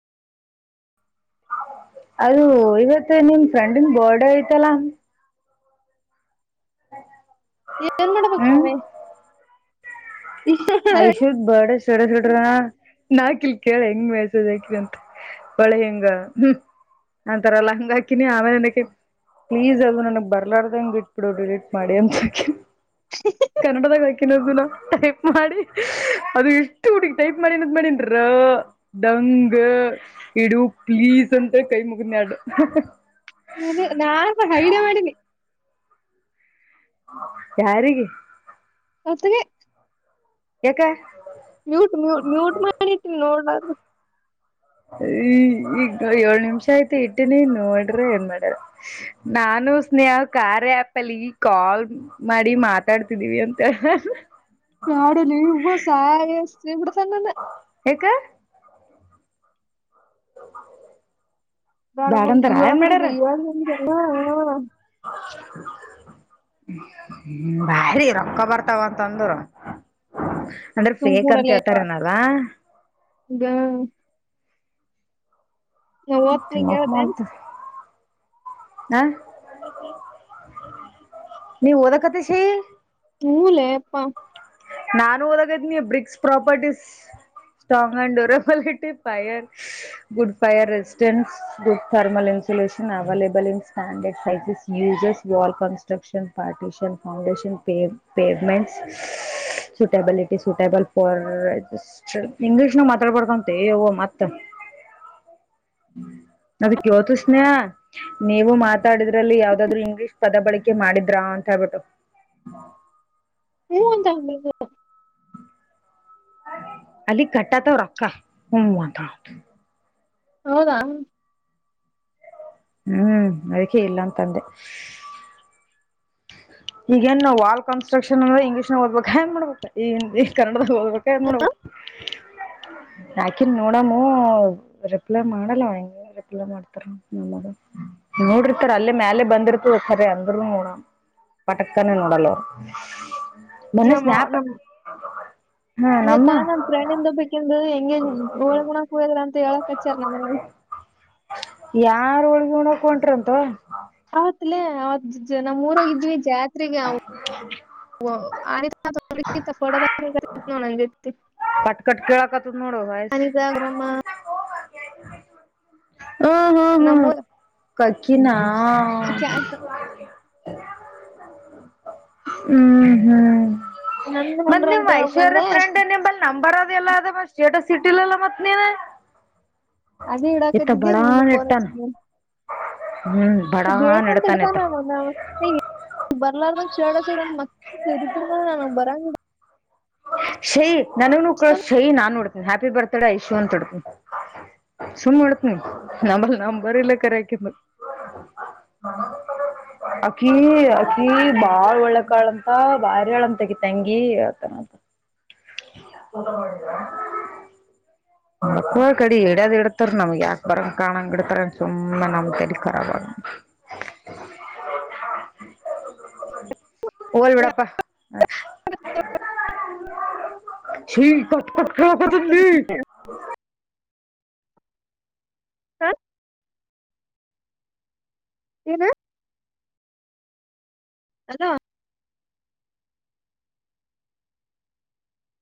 ಅದು ಇವತ್ತು ನಿಮ್ ಫ್ರೆಂಡನ್ ಬೋರ್ಡ ಐ್ತಲ್ಲ. ಏನ್ ಮಾಡಬಕ್ತಾವ [unintelligible] ಐಷುತ್ ಬಡ ಸಡಡ್ರನಾ [unintelligible] ನಾಕಿಲ್ ಕೇಳ ಹೆಂಗ್ ಮೆಸೇಜ್ ಹಾಕಿ ಅಂತ. ಒಳೆ ಹೆಂಗ ಅಂತರಲ್ಲಾ ಹಂಗ ಹಾಕಿನಿ. ಆಮೇಲೆ ನನಗೆ ಪ್ಲೀಸ್ ಅದು ನನ್ಗ್ ಬರ್ಲಾರ್ದಂಗ್ ಇಟ್ಬಿಡು. ರಿಲೀಟ್ ಮಾಡಿ ಅಂತ ಹಾಕಿ- ಕನ್ನಡದಾಗ, - ಕಿನ ಅದನ- ಮಾಡಿ ಅದು ಇಷ್ಟು ಹುಡುಗ ಟೈಪ್ ಮಾಡಿನದ್ ಮಾಡಿನಿ. ಡಂಗ ಇಡು ಪ್ಲೀಸ್ ಅಂತ ಕೈ ಮುಗಿದ್ನ ಆಡ, ಅ ನಾ ಹೈಡ ಮಾಡಿನಿ. - ಯಾರಿಗೆ, ಅತ್ತೆಗೆ [unintelligible] ಯಕಾ, ಮ್ಯೂಟ್, ಮ್ಯೂಟ್, ಮ್ಯೂಟ್ ಮಾಡತೀವಿ ನೋಡ. ಈ ಈಗ ಏಳ್ ನಿಮಿಷ ಆಯ್ತ ಇಟ್ಟನಿ ನೋಡ್ರ ಏನ್ ಮಾಡರ. ನಾನು ಸ್ನೇಹ ಕಾರ್ಆ್ಯಪಲ್ಲಿ ಕಾಲ್ ಮಾಡಿ ಮಾತಾಡ್ತಿದೀವಿ ಅಂತ, - ನಾಡಲಿ ಹಬ ಸಾಯಸ ಇ ಸ್ಣ [unintelligible] ಯಾಕ ಮಾಡ [inaudible] ಮೇಡ ಇಳ ತಡ ಬ [unintelligible] ಹ್ಮ, ಭಾರಿ! ರೊಕ್ಕ ಬರ್ತಾವ ಅಂತಂದರು. ಅಂದ್ರೆ ಸುಮ್ ಫೇಕ್ ಅಂತ ಕೂಡಲೇಪ್ಪ ಹೇಳ್ತಾರ ಏನಾರಲ ನಾ ನಾವುತ ನೀ ತಿಮ್ಮಕ್ ಕೇಳತಾ, ಮಾಡ್ತ ಹ ನೀವ್ ಓದಕತ್ತ ಸ- ಹೂ... ಲೆಯಪ್ಪಾ, ನಾನು ಓದಾಗದನಿ bricks properties strong and durable it fire good fire resistance good thermal insulation available in standard size uses wall construction partition foundation pavements suitable it ಇ ಸೂಟೆಬಲ್ ಫಾರ್ ಇಂಗ್ಲಿಷ್ ನ ಮಾತಾಡ್ಬಾರಡ್ಕಂತ ಮತ್ತ ಅದಕ್ಕೆ ಯೋತ ಸ್ನೇಯ ನೀವು ಮಾತಾಡಿದ್ರಲ್ಲಿ ಯಾವ್ದಾದ್ರು ಇಂಗ್ಲಿಷ್ ಪದ ಬಳಕೆ ಮಾಡಿದ್ರ ಅಂತ ಹಬಿಟ್ಟು ಹ ಹ ಹ ಹ ಅಲ್ಲಿ ಕಟ್ಟಾತವ್ ರೊಕ್ಕ ಹ್ಮ್ ಮಾ ಹೌದಾ ಹ್ಮ್ ಅದಕ್ಕೆೆ ಇಲ್ಲ ಅಂತಂದೆ ಈಗ ನ್ಾ ವಾಲ್ ಕನ್ಸ್ಟ್ರಕ್ಷನ್ ಅಂದ್ರೆ ಇಂಗ್ಲೀಷ್ ನಾಗ ಓದ್ಬೇಕ ಹೆಏನ್ ಮಾಡ್ಬೇಕ ಈ ಕನ್ನಡ ತೋದಬೇಕ ಕ ನೋ ಯಾಕನ್ ನೋಡಮ್ಮ ರಿಪ್ಲೈ ಮಾಡಲ್ಲ ಹಂಗೆ ರಿಪ್ಲೈ ಮಾಡ್ತಾರ ನಮ್ಮ ನೋಡಿರ್ತಾರ ಅಲ್ಲೇ ಮ್ಯಾಲ ಬಂದಿರ್ತದ ಸರಿ ಅಂದರು ನೋಡ ಪಟಕನ ನೋಡಲ್ಲರ ನಮ್ಮ ನಮ್ಮ ಹಾ ಇತ ನಮ್ಮ ನಮ ಪ್ರಾಣಿಂದ ಬೇಕಂದು ಹಂಗೆ ಗೋಳಗಣ ಹಯದ್ರ ಅಂತ ಹೇಳಕ್ ಹಚ್ಚಾರ ನಮ ಹೋಕ ಹೊಂಟ್ರ ಅಂತ ಹೌತ್ಲ ಹ್ ಜ ನಮ್ಮ್ೂರೋಗಿದ್ವಿ ಜಾತ್ ರಿಗೆ ಅ ನ ಆನ್ನಂದ ತು ನೂಡ ವಯಸ ಯ ನಮ್ಮೂದ ಕಕಿನ ಅೆ ಆದು ಹ ಹ್ಮ್ ಹ್ಮ್ ನಂದ ಮ ಉಂಡ್ರ ನಿಮ್ ಅಂತ ಹೇಳಕ್ ಬಂದೆ ಐಶ್ವರ್ಯ ್ರಂಡ್ ನಿಲ್ಲಿ ನಂಬರ್ ಅದ ಎಲ್ಲ ಅದ ಸ್ಟೇಟಸ್ ಸಿಟಿಲೆಲ್ಲ ಮತ್ತತ್ ನೀನ ಅದೇ ಇಡಾಕದಿದ್ದೇ ನೀನು ಪರದಿದ್ದೀಿ ಹೌ ಬೇಕಂತ ಇಡ್ತಾನವು ನಾ ಹೇ ಬರ್ಲಾರಂ ಶಡ ಸಡ ಅಂತ ಮತ್ತೆರಿಿದರ್ ನಾನ ಬರಂಗ ಶೈ ನನಗ್ ನ ಅನ್ಸ್ತಾನ ಶೈ ನಾನನ್ ನೋಡ್ತನಿ ಹ್ಯಾಪಿ ಬರ್ತ್ಡೇ ಐಶು ಅಂತಡ್ತನಿ ಸುಮ್ ನೋಡ್ತನಿ ನ ನಮ್ ಬರಿಿಲ್ಲ ಕರೆಕ ಅಕಿ ಅಕಿ ಬಾಳ್ ಒಳ್ಳಕಾಳಂತ ಬಾರಿಾಳಂತಗಿ ತಂಗಿ ಆತಾನಂತ ಮಾಡರಾ ಮ ಕಡೆ ಎಡ್ಯದ್ ಇಡ್ತಾರ ನಮ್ಗ್ ಯಾಕ ಬರಂಗ ಕಾಣಂಗ ಇಡ್ತಾರ ಸುಮ್ಮ ನಮ್ಗೆಲಿ ಖರಾ ಆಗ ಹೋಗಲ್ ಬಿಡಪ್ಪ ಚಿ ಕಟ್ಕಟ್ ಕಕ ತಲ್ಲಿ [unintelligible] ಹ ನು ಹಲೋ